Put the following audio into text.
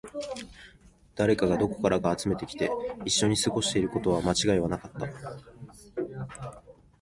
誰かがどこからか集めてきて、一緒に過ごしていることに間違いはなかった